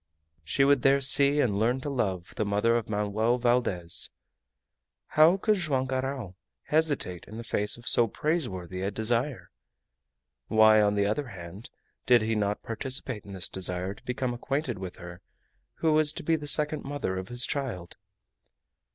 She would there see and learn to love the mother of Manoel Valdez. How could Joam Garral hesitate in the face of so praiseworthy a desire? Why, on the other hand, did he not participate in this desire to become acquainted with her who was to be the second mother of his child?